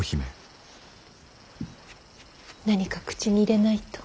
何か口に入れないと。